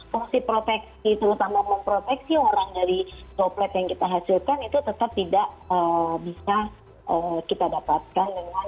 fungsi proteksi terutama memproteksi orang dari droplet yang kita hasilkan itu tetap tidak bisa kita dapatkan dengan